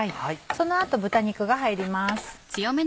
その後豚肉が入ります。